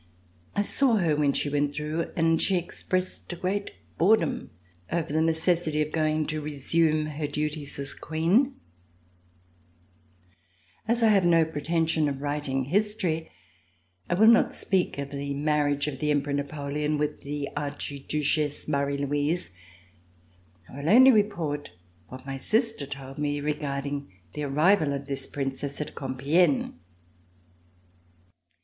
I saw her when she went through and she expressed a great boredom over the necessity of going to resume her duties as Queen. C355 ] RECOLLECTIONS OF THE REVOLUTION As I have no pretension of writing history, I will not speak of the marriage of the Emperor Napoleon with the Archiduchesse Marie Louise. I will only report what my sister told me regarding the arrival of this Princess at Compiegne.